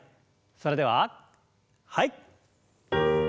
それでははい。